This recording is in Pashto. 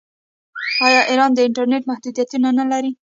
آیا ایران د انټرنیټ محدودیتونه نلري؟